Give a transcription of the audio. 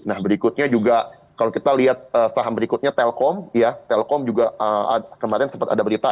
nah berikutnya juga kalau kita lihat saham berikutnya telkom ya telkom juga kemarin sempat ada berita ada mtel abis ingin mengakuisinya ya